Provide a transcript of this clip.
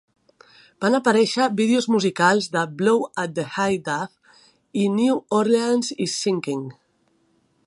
Van aparèixer vídeos musicals de "Blow at High Dough" i "New Orleans is Sinking".